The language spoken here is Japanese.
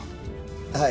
はい。